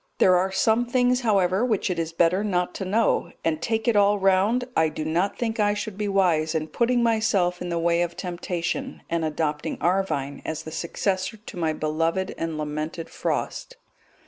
There are some things, however, which it is better not to know, and take it all round I do not think I should be wise in putting myself in the way of temptation, and adopting Arvine as the successor to my beloved and lamented Frost.